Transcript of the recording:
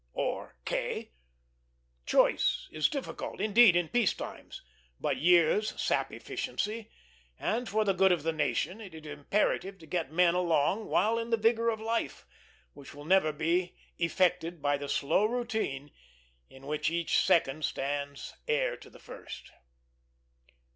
or K.? Choice is difficult, indeed, in peace times; but years sap efficiency, and for the good of the nation it is imperative to get men along while in the vigor of life, which will never be effected by the slow routine in which each second stands heir to the first.